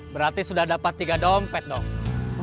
berarti sudah dapat tiga dompet dong